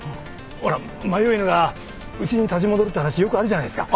ほら迷い犬がうちに立ち戻るって話よくあるじゃないですか。